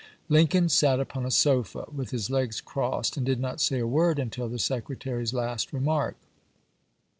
Lincoln sat upon a sofa with his legs crossed, and did not say a word until the Secretary's last remark.